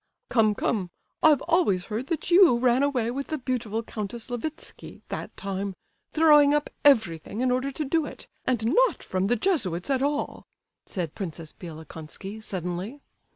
"Come, come, I've always heard that you ran away with the beautiful Countess Levitsky that time—throwing up everything in order to do it—and not from the Jesuits at all," said Princess Bielokonski, suddenly.